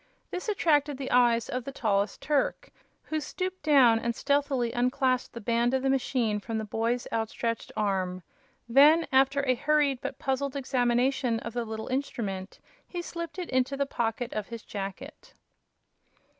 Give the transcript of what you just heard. This attracted the eyes of the tallest Turk, who stooped down and stealthily unclasped the band of the machine from the boy's outstretched arm. Then, after a hurried but puzzled examination of the little instrument, he slipped it into the pocket of his jacket.